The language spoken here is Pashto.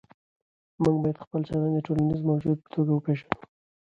موږ باید خپل چلند د ټولنیز موجود په توګه وپېژنو.